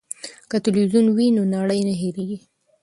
که تلویزیون وي نو نړۍ نه هیریږي.